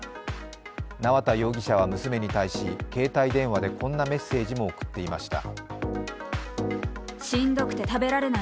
縄田容疑者は娘に対し、携帯電話でこんなメッセージも送っていました。